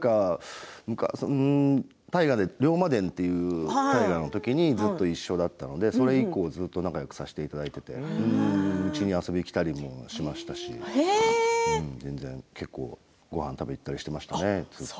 昔、大河の「龍馬伝」でずっと一緒だったんでそれ以降仲よくさせていただいてうちにも遊びに来たりしましたし結構ごはんを食べにいったりしてました。